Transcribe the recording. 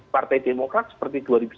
partai demokrat seperti dua ribu sembilan belas